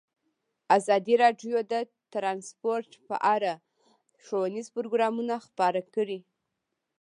ازادي راډیو د ترانسپورټ په اړه ښوونیز پروګرامونه خپاره کړي.